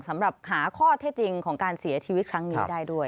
สำหรับหาข้อเท็จจริงของการเสียชีวิตครั้งนี้ได้ด้วย